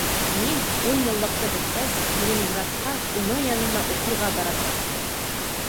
Мин, ун йыллыҡты бөткәс, Ленинградҡа, уның янына уҡырға барасаҡмын.